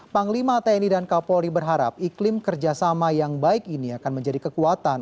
panglima tni dan kapolri berharap iklim kerjasama yang baik ini akan menjadi kekuatan